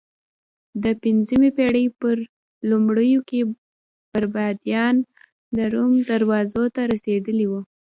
د پنځمې پېړۍ په لومړیو کې بربریان د روم دروازو ته رسېدلي وو